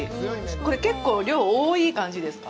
これ結構、量、多い感じですか？